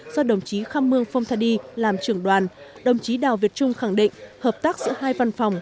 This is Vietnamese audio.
do đồng chí kham mương phong đi làm trưởng đoàn đồng chí đào việt trung khẳng định hợp tác giữa hai văn phòng